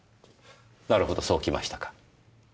なるほどそうきましたか。